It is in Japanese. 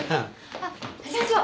あっ社長。